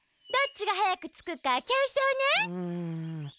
どっちがはやくつくかきょうそうね！